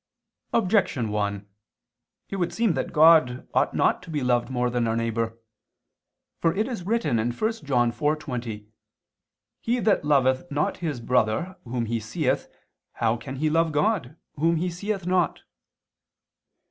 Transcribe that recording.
Objection 1: It would seem that God ought not to be loved more than our neighbor. For it is written (1 John 4:20): "He that loveth not his brother whom he seeth, how can he love God, Whom he seeth not?"